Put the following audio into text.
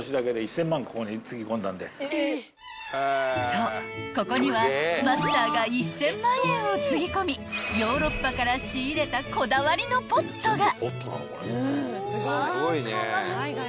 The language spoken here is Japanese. ［そうここにはマスターが１，０００万円をつぎ込みヨーロッパから仕入れたこだわりのポットが］